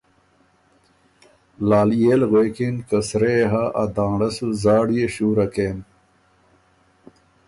لالئے ل غوېکِن که ”سرۀ یې هۀ ا دانړۀ سو زاړيې شُوره کېم